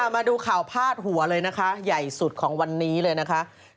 มาดูข่าวพาดหัวเลยนะคะใหญ่สุดของวันนี้เลยนะคะ